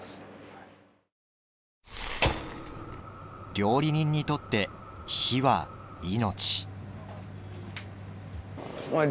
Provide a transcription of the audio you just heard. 料理人にとって、火は命。